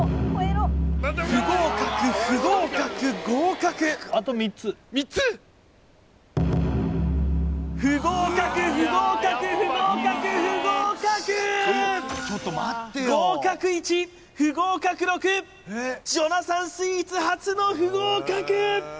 不合格不合格合格不合格不合格不合格不合格ジョナサンスイーツ初の不合格！